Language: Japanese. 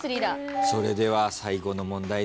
それでは最後の問題です。